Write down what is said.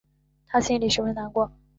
她心里十分难过